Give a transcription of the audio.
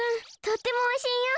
とってもおいしいよ。